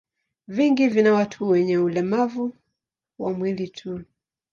Vingi vina watu wenye ulemavu wa mwili tu.